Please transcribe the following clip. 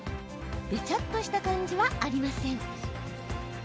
べちゃっとした感じはありません。